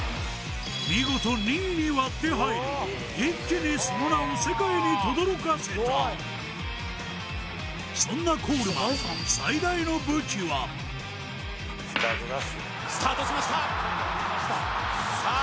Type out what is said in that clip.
見事２位に割って入り一気にその名を世界にとどろかせたそんなコールマン最大の武器はスタートしましたさあ